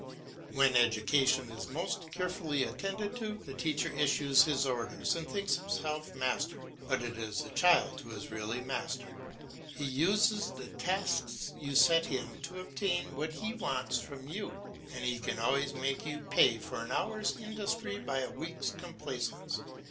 When education is most carefully attended to, the teacher issues his orders and thinks himself master, but it is the child who is really master. He uses the tasks you set him to obtain what he wants from you, and he can always make you pay for an hour's industry by a week's complaisance.